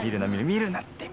見るなって！